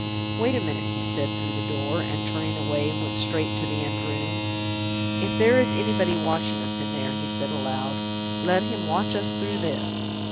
"Wait a minute," he said, through the door, and, turning away, went straight to the end room. "If there is anybody watching us in there," he said aloud, "let him watch us through this!"